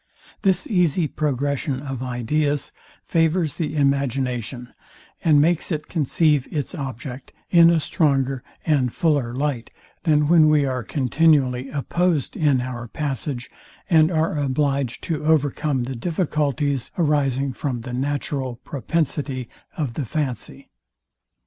This easy progression of ideas favours the imagination, and makes it conceive its object in a stronger and fuller light, than when we are continually opposed in our passage, and are obliged to overcome the difficulties arising from the natural propensity of the fancy.